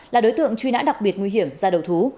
là đối tượng truy nã đặc biệt nguy hiểm ra đầu thú